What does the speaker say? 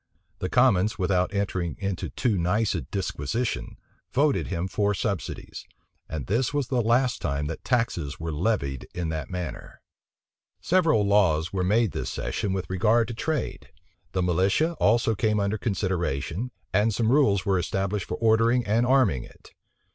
The commons, without entering into too nice a disquisition, voted him four subsidies; and this was the last time that taxes were levied in that manner. Several laws were made this session with regard to trade. The militia also came under consideration, and some rules were established for ordering and arming it.